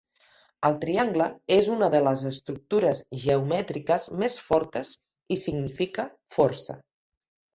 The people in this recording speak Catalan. El triangle és una de les estructures geomètriques més fortes i significa força.